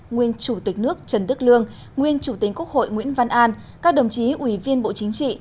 nguyên chủ tịch nước trần đức lương nguyên chủ tịch quốc hội nguyễn văn an các đồng chí ủy viên bộ chính trị